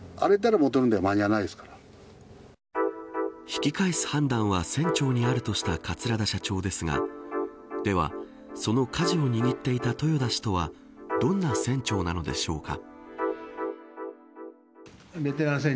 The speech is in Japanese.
引き返す判断は船長にあるとした桂田社長ですがでは、その舵を握っていた豊田氏とはどんな船長なのでしょうか。